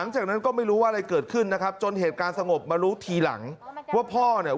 ว่าอะไรเกิดขึ้นนะครับจนเหตุการสงบมารู้ทีหลังว่าพ่อเนี่ย